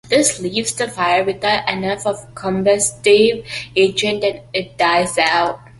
This leaves the fire without enough of the combustive agent, and it dies out.